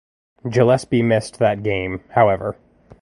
Gillespie missed that game, however.